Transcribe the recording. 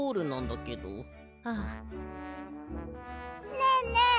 ねえねえ